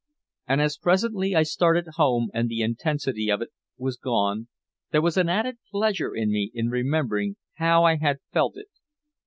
And as presently I started home and the intensity of it was gone, there was an added pleasure to me in remembering how I had felt it.